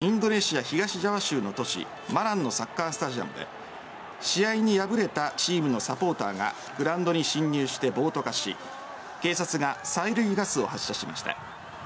１日夜インドネシア東ジャワ州の都市マランのサッカースタジアムで試合に敗れたチームのサポーターがグランドに侵入して暴徒化し警察が催涙ガスを発射しました。